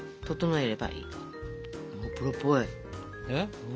えっ？